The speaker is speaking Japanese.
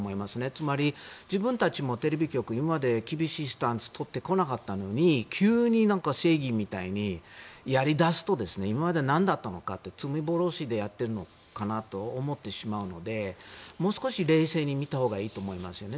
つまり、自分たちもテレビ局今まで厳しいスタンスを取ってこなかったのに急に正義みたいにやり出すと今までなんだったのかって罪滅ぼしでやっているのかなと思ってしまうのでもう少し冷静に見たほうがいいと思いますよね。